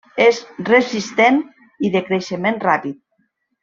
És resistent i de creixement ràpid.